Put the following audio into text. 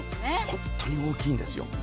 本当に大きいんです。